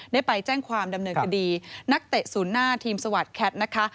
ได้ไปแจ้งความดำเนินคดีนักเตะศูนย์หน้าทีมสวัสดิแคทนะคะ